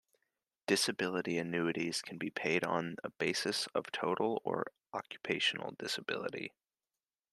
Disability annuities can be paid on the basis of total or occupational disability.